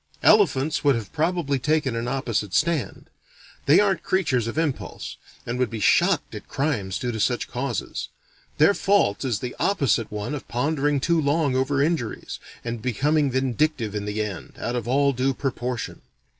Elephants would have probably taken an opposite stand. They aren't creatures of impulse, and would be shocked at crimes due to such causes; their fault is the opposite one of pondering too long over injuries, and becoming vindictive in the end, out of all due proportion.